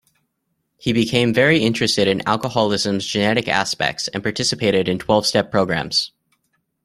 He became very interested in alcoholism's genetic aspects, and participated in Twelve-Step Programs.